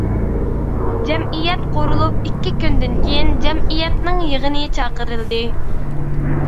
جەمئىيەت قۇرۇلۇپ ئىككى كۈندىن كىيىن جەمئىيەتنىڭ يىغىنى چاقىرىلدى.